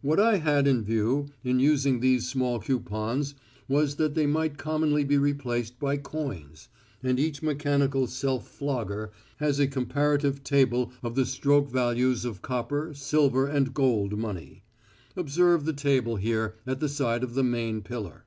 What I had in view in using these small coupons was that they might commonly be replaced by coins, and each mechanical self flogger has a comparative table of the stroke values of copper, silver and gold money. Observe the table here at the side of the main pillar.